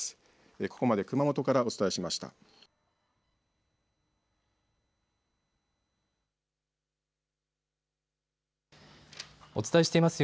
ここまで熊本からお伝えしました。